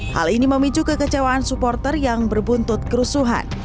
hal ini memicu kekecewaan supporter yang berbuntut kerusuhan